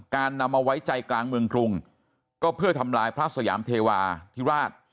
นำมาไว้ใจกลางเมืองกรุงก็เพื่อทำลายพระสยามเทวาธิราช